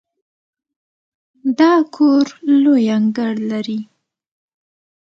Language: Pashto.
دا کور لوی انګړ لري.